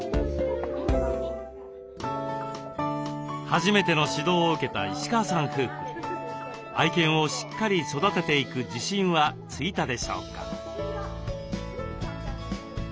初めての指導を受けた石川さん夫婦愛犬をしっかり育てていく自信はついたでしょうか？